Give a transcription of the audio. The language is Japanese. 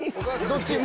「どっち？」。